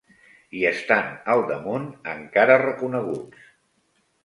I estant, al damunt, encara reconeguts